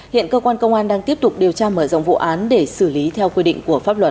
hiện cơ quan công an đang tiếp tục điều tra mở rộng vụ án để xử lý theo quy định của pháp luật